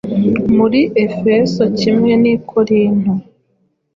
Muri Efeso kimwe n’i Korinto,